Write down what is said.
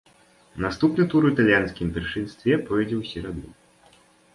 Наступны тур у італьянскім першынстве пройдзе ў сераду.